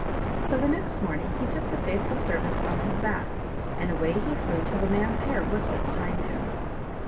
So the next morning he took the faithful servant on his back, and away he flew till the man's hair whistled behind him.